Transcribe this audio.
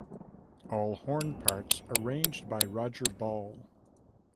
All horn parts arranged by Roger Ball.